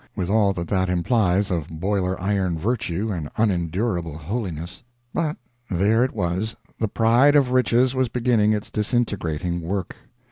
with all that that implies of boiler iron virtue and unendurable holiness. But there it was; the pride of riches was beginning its disintegrating work.